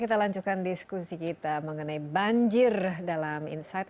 kita lanjutkan diskusi kita mengenai banjir dalam insight